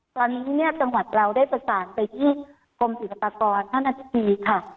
ตอนนี้เนี่ยจังหวัดเราได้ประสานไปที่กรมศิลปากรท่านอธิบดีค่ะ